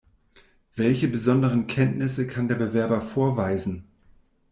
Welche besonderen Kenntnisse kann der Bewerber vorweisen?